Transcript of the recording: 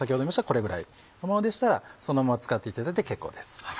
これぐらいのものでしたらそのまま使っていただいて結構です。